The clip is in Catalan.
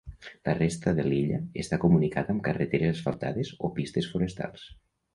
La resta de l'illa està comunicada amb carreteres asfaltades o pistes forestals.